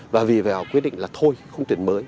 và vì vậy họ quyết định là thôi không tuyển mới